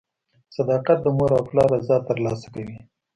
• صداقت د مور او پلار رضا ترلاسه کوي.